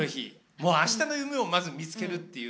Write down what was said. もう、あしたの夢をまず見つけるっていう。